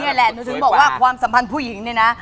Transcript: นี่แหละหนูถึงบอกว่าความสัมพันธ์ผู้หญิงเนี่ยนะ